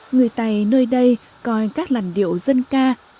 người tày nơi đây coi các làn điệu dân ca